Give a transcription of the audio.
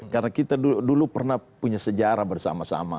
karena kita dulu pernah punya sejarah bersama sama